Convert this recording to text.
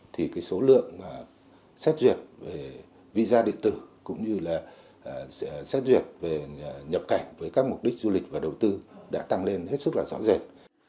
thì số lượng xét duyệt về visa địa tử cũng như xét duyệt về nhập cảnh với các mục đích du lịch và đầu tư đã tăng lên hết sức rõ rệt